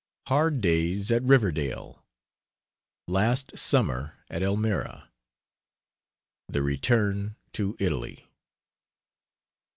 HARD DAYS AT RIVERDALE. LAST SUMMER AT ELMIRA. THE RETURN TO ITALY.